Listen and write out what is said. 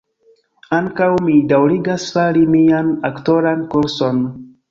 Ankaŭ mi daŭrigas fari mian aktoran kurson